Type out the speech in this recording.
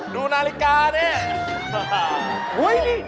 ดูนาฬิกาเนี่ย